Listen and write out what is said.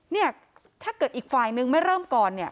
เนี่ยถ้าเกิดอีกฝ่ายนึงไม่เริ่มก่อนเนี่ย